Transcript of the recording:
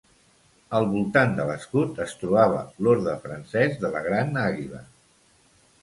Al voltant de l'escut es trobava l'orde francès de la Gran Àguila.